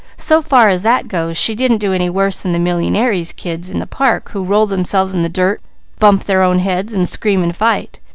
So far as that goes, she didn't do any worse than the millyingaires' kids in the park who roll themselves in the dirt, bump their own heads, and scream and fight.